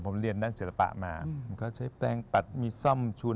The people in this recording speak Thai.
ผมเรียนด้านศิลปะมาผมก็ใช้แปลงปัดมีซ่อมชุน